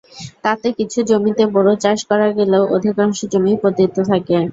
তাতে কিছু জমিতে বোরো চাষ করা গেলেও অধিকাংশ জমি পতিত থাকে।